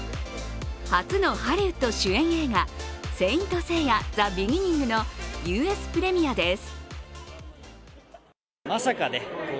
初のハリウッド主演映画「聖闘士星矢ＴｈｅＢｅｇｉｎｎｉｎｇ」のＵＳプレミアです。